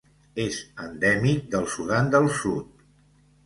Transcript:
És endèmic del Sudan del Sud.